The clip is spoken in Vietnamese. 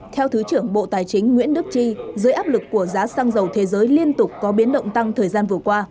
theo thứ trưởng bộ tài chính nguyễn đức chi dưới áp lực của giá xăng dầu thế giới liên tục có biến động tăng thời gian vừa qua